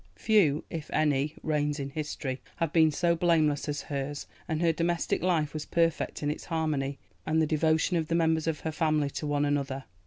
Few, if any, reigns in history have been so blameless as hers, and her domestic life was perfect in its harmony and the devotion of the members of her family to one another.